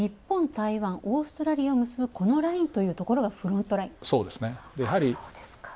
インド太平洋とオーストラリアを結ぶこのラインというところがフロントライン。